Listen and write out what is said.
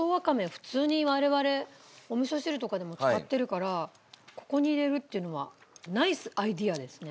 普通に我々お味噌汁とかでも使ってるからここに入れるっていうのはナイスアイデアですね。